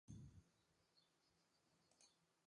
It is now exhibited in the University of Puerto Rico's Museum.